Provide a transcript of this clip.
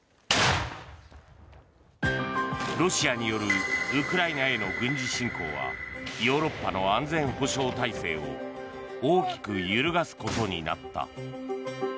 ロシアによるウクライナへの軍事侵攻はヨーロッパの安全保障体制を大きく揺るがすことになった。